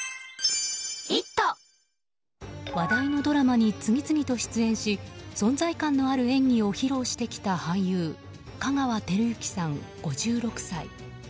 話題のドラマに次々と出演し存在感のある演技を披露してきた俳優香川照之さん、５６歳。